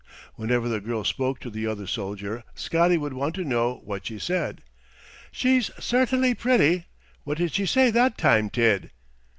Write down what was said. Whenever the girl spoke to the other soldier Scotty would want to know what she said. "She's sairtainly pretty. What did she say that time, Tid?"